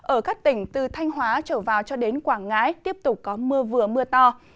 ở các tỉnh từ thanh hóa trở vào cho đến quảng ngãi tiếp tục có mưa vừa mưa to